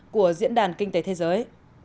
của diễn đàn kinh tế thế giới